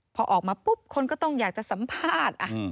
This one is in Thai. พอออกมาปุ๊บคนก็ต้องอยากจะสัมภาษณ์